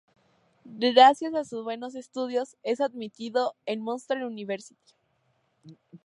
Gracias a sus buenos estudios, es admitido en Monsters University.